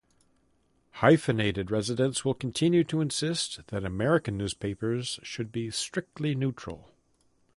Hyphenated residents will continue to insist that American newspapers should be strictly neutral.